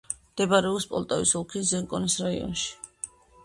მდებარეობს პოლტავის ოლქის ზენკოვის რაიონში.